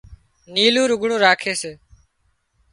نيلُون لگھڙون راکي سي